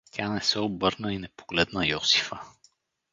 Тя не се обърна и не погледна Йосифа.